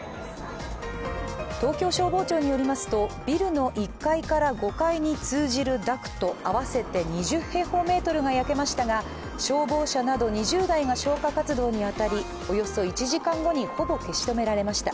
東京消防庁によりますと、ビルの１階から５階に通じるダクト合わせて２０平方メートルが焼けましたが消防車など２０台が消火活動に当たりおよそ１時間後にほぼ消し止められました。